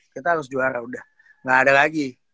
kita harus juara udah nggak ada lagi